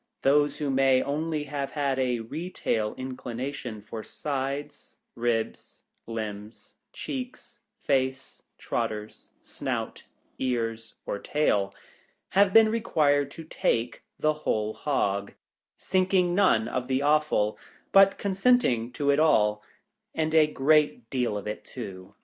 Those who may only have had a retail inclination for sides, ribs, limbs, cheeks, face, trotters, snout, ears, or tail, have been required to take the Whole Hog, sinking none of the offal, but consenting to it all — and a good deal of it too.